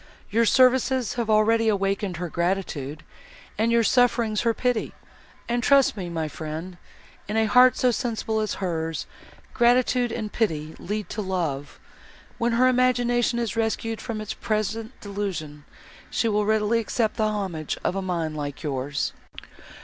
Your services have already awakened her gratitude, and your sufferings her pity; and trust me, my friend, in a heart so sensible as hers, gratitude and pity lead to love. When her imagination is rescued from its present delusion, she will readily accept the homage of a mind like yours."